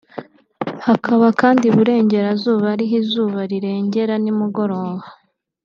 Hakaba kandi i-Burengerazuba ariho izuba rirengera nimugoroba